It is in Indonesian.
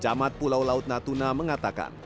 camat pulau laut natuna mengatakan